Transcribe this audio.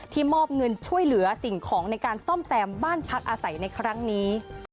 มอบเงินช่วยเหลือสิ่งของในการซ่อมแซมบ้านพักอาศัยในครั้งนี้